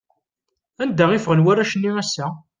Anda i ffɣen warrac-nni ass-a?